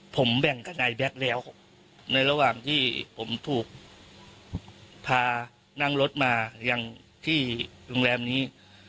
ผมแบ่งกับนายแบ็คแล้วในระหว่างที่ผมถูกพานั่งรถมาอย่างที่โรงแรมนี้